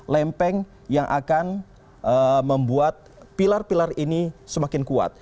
lempeng yang akan membuat pilar pilar ini semakin kuat